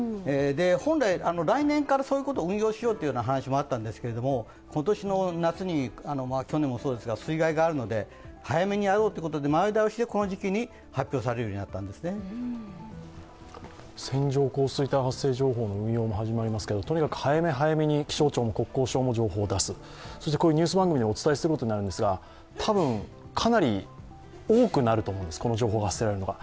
本来、来年からそういうことを運用しようという話もあったんですけれども、今年の夏に、去年もそうですが、水害があるので早めにやろうということで前倒しで、この時期に発表されるようになったんですね線状降水帯発生情報の運用も始まりますけど、とにかく早め早めに気象庁も国交省も出す、そしてニュース番組でお伝えすることになるんですが、多分かなり多くなると思うんです、この情報発せられるのが。